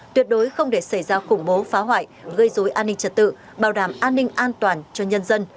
tuyệt đối không để xảy ra khủng bố phá hoại gây dối an ninh trật tự bảo đảm an ninh an toàn cho nhân dân